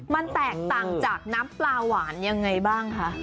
มันแตกต่างจากน้ำปลาหวานยังไงบ้างคะ